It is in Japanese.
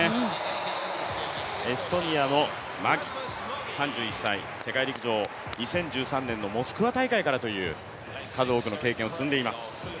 エストニアのマギ、３１歳、世界陸上２０１３年のモスクワ大会からという経験を積んでいます。